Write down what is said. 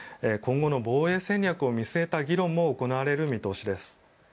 今後の防衛戦略を見据えた議論も行われる方針です。